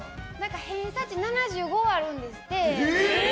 偏差値７５あるんですって。